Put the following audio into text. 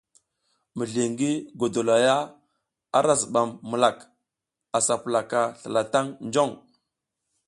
Mizli ngi godola ara zibam milak a sa pulaka slala tang jong.